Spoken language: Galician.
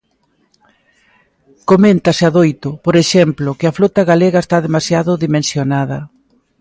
Coméntase adoito, por exemplo, que a flota galega está demasiado dimensionada.